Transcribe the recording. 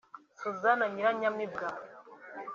Suzanna Nyiranyamibwa